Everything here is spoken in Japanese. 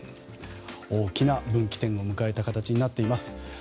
大きな分岐点を迎えた形になっています。